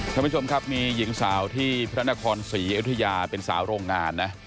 ท่านผู้ชมครับมีหญิงสาวที่พระนครศรีอยุธยาเป็นสาวโรงงานนะ